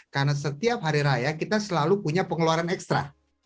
karena setiap hari raya kita selalu punya pengeluaran ekstra